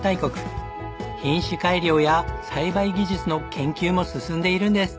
品種改良や栽培技術の研究も進んでいるんです。